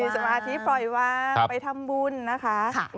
สมาธิปล่อยวางไปทำบุญนะคะ